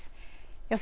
予想